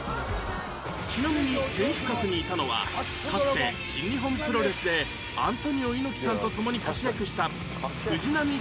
ちなみに天守閣にいたのはかつて新日本プロレスでアントニオ猪木さんとともに活躍した藤波辰爾さん